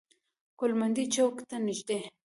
ګوالمنډۍ چوک ته نزدې.